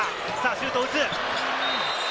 シュートを打つ。